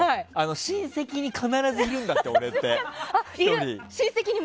親戚に必ずいるんだって、俺って１人。